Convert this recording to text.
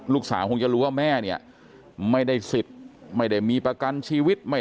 คงจะรู้ว่าแม่เนี่ยไม่ได้สิทธิ์ไม่ได้มีประกันชีวิตไม่